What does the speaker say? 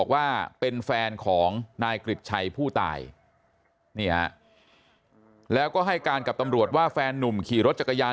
ว่าเป็นแฟนของนายกริจชัยผู้ตายนี่ฮะแล้วก็ให้การกับตำรวจว่าแฟนนุ่มขี่รถจักรยาน